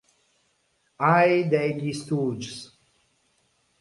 Eye degli Stooges.